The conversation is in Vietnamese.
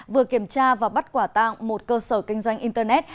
vừa kiểm tra và bắt quả tặng một cơ sở kinh doanh internet